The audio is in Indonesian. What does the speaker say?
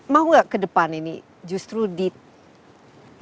mau gak ke depan ini justru ditambah wilayahnya